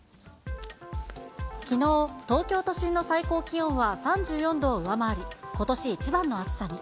きのう、東京都心の最高気温は３４度を上回り、ことし一番の暑さに。